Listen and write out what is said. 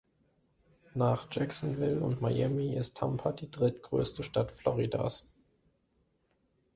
Nach Jacksonville und Miami ist Tampa die drittgrößte Stadt Floridas.